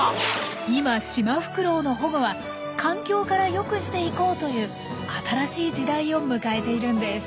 今シマフクロウの保護は環境から良くしていこうという新しい時代を迎えているんです。